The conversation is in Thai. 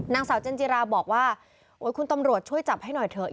นางสาวเจนจิราบอกว่าโอ๊ยคุณตำรวจช่วยจับให้หน่อยเถอะ